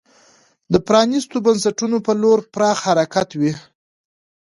د پرانیستو بنسټونو په لور پراخ حرکت وي.